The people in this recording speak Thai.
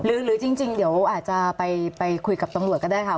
หรือจริงเดี๋ยวอาจจะไปคุยกับตำรวจก็ได้ค่ะ